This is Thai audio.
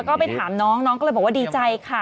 แล้วก็ไปถามน้องก็เลยบอกว่าดีใจค่ะ